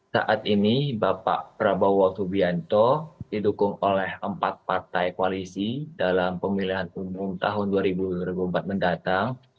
saat ini bapak prabowo subianto didukung oleh empat partai koalisi dalam pemilihan umum tahun dua ribu dua puluh empat mendatang